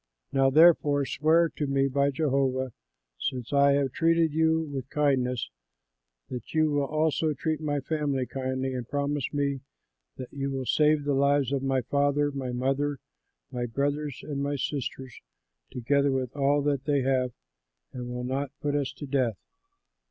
Now therefore swear to me by Jehovah, since I have treated you with kindness, that you will also treat my family kindly, and promise me that you will save the lives of my father, my mother, my brothers, and my sisters, together with all that they have, and will not put us to death."